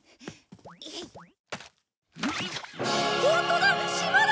ホントだ島だ！